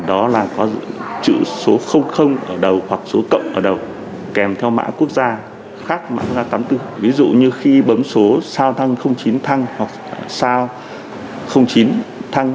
đó là có chữ số ở đầu hoặc số cộng ở đầu kèm theo mã quốc gia khác mã quốc gia tám mươi bốn